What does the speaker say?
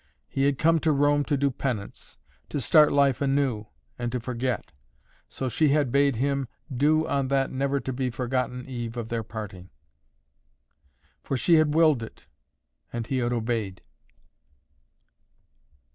He had come to Rome to do penance, to start life anew and to forget. So she had bade him do on that never to be forgotten eve of their parting. So she had willed it, and he had obeyed.